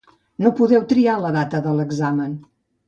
No podeu triar la data de l'examen.